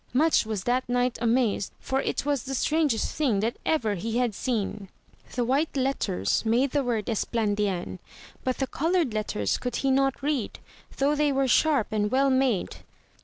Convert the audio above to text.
Much was that knight amazed, for it was the strangest thing that ever he had seen. The white letters made the word Esplandian, but the coloured 44 AMADIS OF GAUL. letters could he not read, though they were sharp and well made.